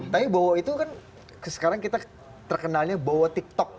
tapi bowo itu kan sekarang kita terkenalnya bowo tiktok